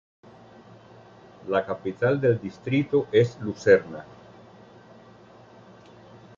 La capital del distrito es Lucerna.